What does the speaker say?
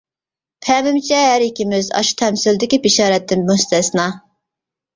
پەمىمچە ھەر ئىككىمىز ئاشۇ تەمسىلدىكى بېشارەتتىن مۇستەسنا.